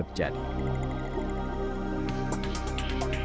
maupun aceh terus terjadi